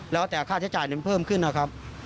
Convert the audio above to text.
แล้วแต่ค่าใช้จ่ายมันเพิ่มขึ้นนะครับ